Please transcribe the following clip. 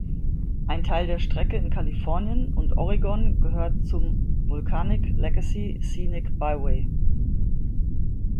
Ein Teil der Strecke in Kalifornien und Oregon gehört zum Volcanic Legacy Scenic Byway.